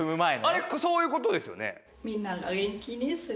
あれそういうことですよね？